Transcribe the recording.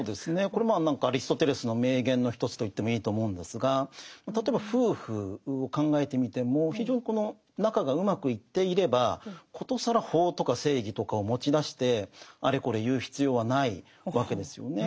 これもアリストテレスの名言の一つと言ってもいいと思うんですが例えば夫婦を考えてみても非常にこの仲がうまくいっていれば殊更法とか正義とかを持ち出してあれこれ言う必要はないわけですよね。